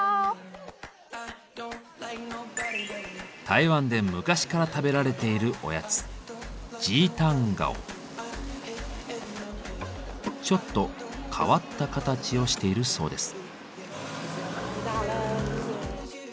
台湾で昔から食べられているおやつちょっと変わった形をしているそうです。